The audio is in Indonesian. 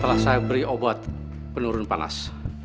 setelah saya beri obat penurun panas